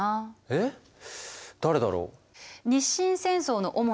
えっ誰だろう。